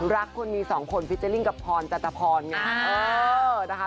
รักคนมีสองคนฟิเจอร์ลิ่งกับพรจันทพรไง